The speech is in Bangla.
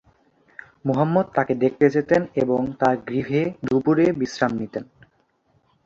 মুহাম্মাদ তাকে দেখতে যেতেন এবং তার গৃহে দুপুরে বিশ্রাম নিতেন।